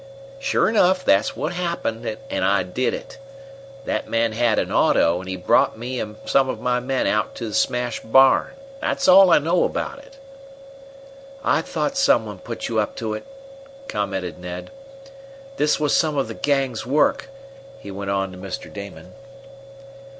"Sure enough, that's what happened, and I did it. That man had an auto, and he brought me and some of my men out to the smashed barn. That's all I know about it." "I thought some one put you up to it," commented Ned. "This was some of the gang's work," he went on to Mr. Damon.